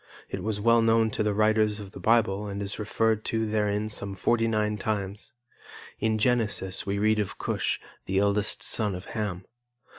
It was well known to the writers of the Bible and is referred to therein some forty nine times. In Genesis we read of Cush, the eldest son of Ham.